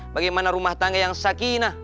bagaimana rumah tangga yang sakinah